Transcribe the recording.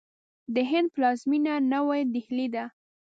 د هند پلازمینه نوی ډهلي ده.